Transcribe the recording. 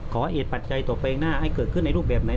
ขอเอียดปัจจัยต่อเพลงหน้าให้เกิดขึ้นในรูปแบบไหน